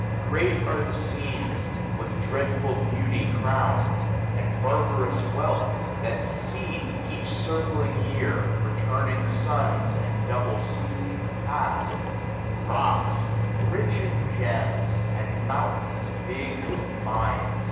L 74 SUMMER. Great are the scenes, with dreadful beauty crown'd And barbarous wealth, that see, each circling year. Returning suns and double seasons pass : 645 Rocks rich in gems, and mountains big with mines.